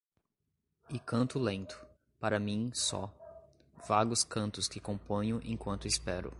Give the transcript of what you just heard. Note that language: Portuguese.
e canto lento, para mim só, vagos cantos que componho enquanto espero.